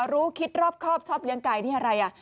รู้คิดรอบครอบชอบเลี้ยงไก่นี่อะไรอ่ะ